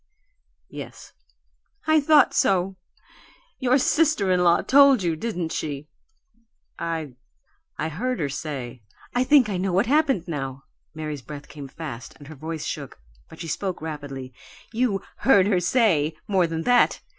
"Yes." "I thought so! Your sister in law told you, didn't she?" "I I heard her say " "I think I know what happened, now." Mary's breath came fast and her voice shook, but she spoke rapidly. "You 'heard her say' more than that.